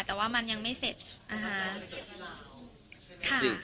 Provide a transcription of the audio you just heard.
แต่ว่ามันยังไม่เสร็จนะคะ